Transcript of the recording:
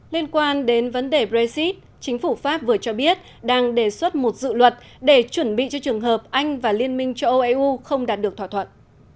liên quan đến vấn đề brexit chính phủ pháp vừa cho biết đang đề xuất một dự luật để chuẩn bị cho trường hợp anh và liên minh châu âu eu không đạt được thỏa thuận